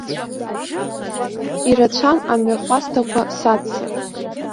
Ирацәан амҩахәасҭақәа, саццар.